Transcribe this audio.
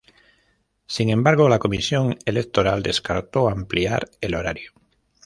Sin embargo, la Comisión Electoral descartó ampliar el horario.